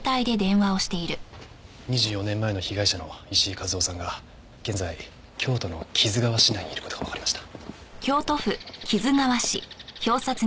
２４年前の被害者の石井和夫さんが現在京都の木津川市内にいる事がわかりました。